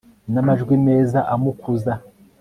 n'amajwi meza amukuza